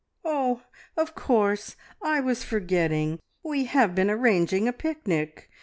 "Oh, of course! I was forgetting. ... We have been arranging a picnic.